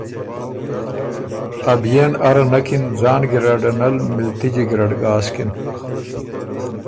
ا بئے ن اره نکِن ځان ګیرډ ان ال مِلتجی ګیرډ ګاسکِن۔